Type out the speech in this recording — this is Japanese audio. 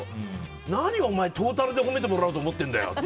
何、お前トータルで褒めてもらおうと思ってるんだよ